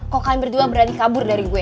kok kalian berdua berani kabur dari gue